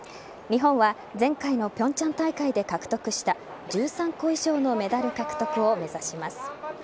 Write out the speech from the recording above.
日本は前回の平昌大会で獲得した１３個以上のメダル獲得を目指します。